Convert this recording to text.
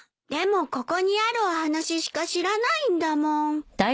でもここにあるお話しか知らないんだもん。